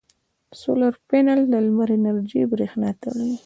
سولر پینل د لمر انرژي برېښنا ته اړوي.